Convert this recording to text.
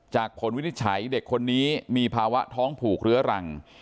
ผลวินิจฉัยเด็กคนนี้มีภาวะท้องผูกเรื้อรัง